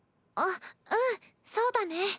あっうんそうだね。